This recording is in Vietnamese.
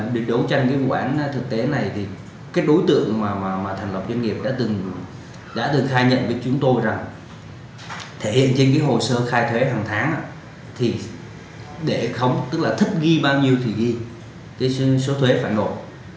để không tức là thích ghi bao nhiêu thì ghi thì số thuế phải nộp